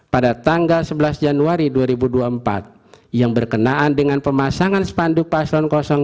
pada tanggal sebelas januari dua ribu dua puluh empat yang berkenaan dengan pemasangan spanduk paslon dua